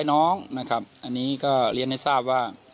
๑๙ลุงพลแม่ตะเคียนเข้าสิงหรือเปล่า